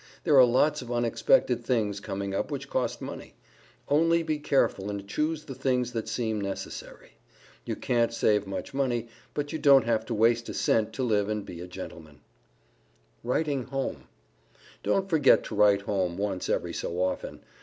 There are lots of unexpected things coming up which cost money. Only be careful and choose the things that seem necessary. You can't save much money; but you don't have to waste a cent to live and be a gentleman. [Sidenote: WRITING HOME] Don't forget to write home once every so often.